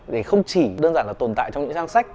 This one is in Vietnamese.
để không chỉ đơn giản là tồn tại trong những trang sách